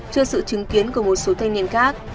trước sự chứng kiến của một số thanh niên khác